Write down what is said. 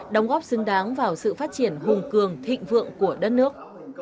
đóng góp xứng đáng vào sự phát triển hùng cường thịnh vượng của đất nước